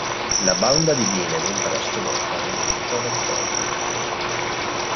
La banda diviene ben presto nota in tutta la zona.